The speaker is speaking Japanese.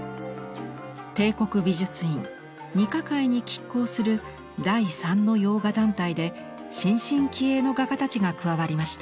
帝国美術院二科会にきっ抗する第三の洋画団体で新進気鋭の画家たちが加わりました。